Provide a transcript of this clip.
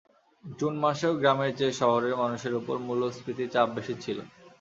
June মাসেও গ্রামের চেয়ে শহরের মানুষের ওপর মূল্যস্ফীতির চাপ বেশি ছিল।